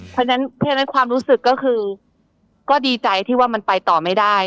เพราะฉะนั้นความรู้สึกก็คือก็ดีใจที่ว่ามันไปต่อไม่ได้